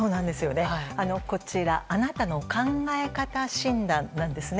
こちらあなたの考え方診断なんですね。